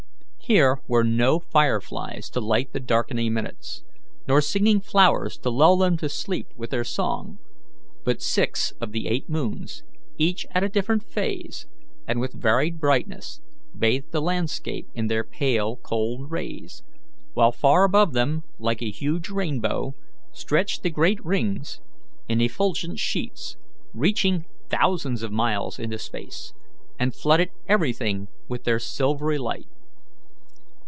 Here were no fire flies to light the darkening minutes, nor singing flowers to lull them to sleep with their song but six of the eight moons, each at a different phase, and with varied brightness, bathed the landscape in their pale, cold rays; while far above them, like a huge rainbow, stretched the great rings in effulgent sheets, reaching thousands of miles into space, and flooded everything with their silvery light.